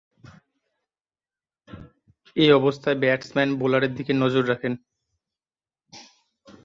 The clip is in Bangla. এ অবস্থায় ব্যাটসম্যান বোলারের দিকে নজর রাখেন।